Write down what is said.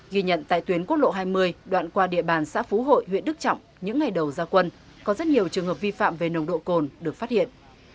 ghi nhận tại tuyến quốc lộ hai mươi đoạn qua địa bàn xã phú hội huyện đức trọng những ngày đầu gia quân có rất nhiều trường hợp vi phạm về nồng độ cồn được phát hiện